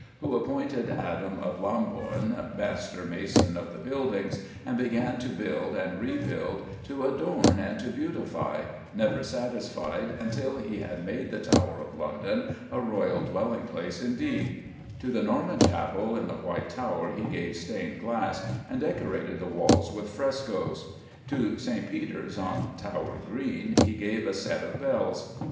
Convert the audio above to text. who appointed Adam of Lambourne master mason of the buildings, and began to build and rebuild, to adorn and to beautify, never satisfied until he had made the Tower of London a royal dwelling place indeed. To the Norman Chapel in the White Tower he gave stained glass and decorated the [Illustration: THE PORTCULLIS IN BLOODY TOWER] walls with frescoes; to St. Peter's, on Tower Green, he gave a set of bells.